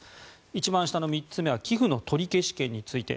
一番下の３つ目は寄付の取り消し権について。